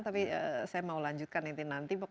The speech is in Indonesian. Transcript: tapi saya mau lanjutkan nanti